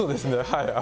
はい。